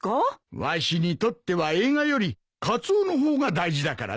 わしにとっては映画よりカツオの方が大事だからな。